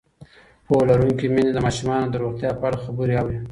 پوهه لرونکې میندې د ماشومانو د روغتیا په اړه خبرې اوري.